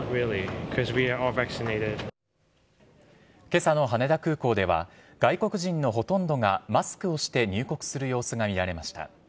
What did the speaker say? けさの羽田空港では、外国人のほとんどがマスクをして入国する様子が見られました。